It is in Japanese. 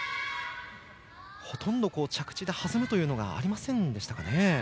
ほとんど着地で弾むことがありませんでしたかね。